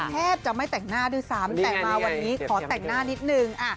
แทบจะไม่แต่งหน้าด้วยซ้ำแต่มาวันนี้ขอแต่งหน้านิดนึง